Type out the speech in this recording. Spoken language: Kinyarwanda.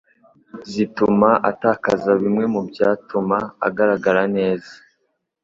zituma atakaza bimwe mubyatuma atagaragara neza.